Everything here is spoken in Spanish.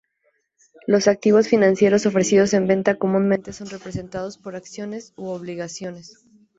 Los activos financieros ofrecidos en venta comúnmente son representados por acciones o obligaciones.